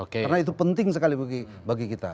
karena itu penting sekali bagi kita